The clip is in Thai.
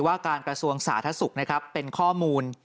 ว่าการกระทรวงศาสตร์ทัศุกร์เป็นข้อมูล